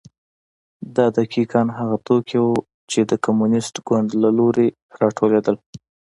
دا دقیقا هغه توکي وو چې د کمونېست ګوند له لوري راټولېدل.